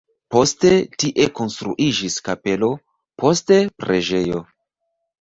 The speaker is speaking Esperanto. Poste tie konstruiĝis kapelo, poste preĝejo.